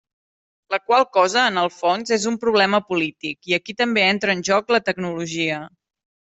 La qual cosa, en el fons, és un problema polític, i aquí també entra en joc la tecnologia.